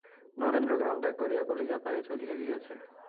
নরেন্দ্র গ্রাম ত্যাগ করিয়া কলিকাতায় চলিয়া গিয়াছে।